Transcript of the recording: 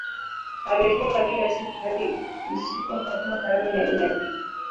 Alifunga kila siku hadi usiku akapewa karama ya unabii.